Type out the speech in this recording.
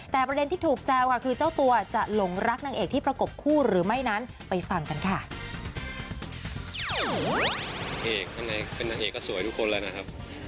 แต่ประเด็นที่ถูกแซวค่ะคือเจ้าตัวจะหลงรักนางเอกที่ประกบคู่หรือไม่นั้นไปฟังกันค่ะ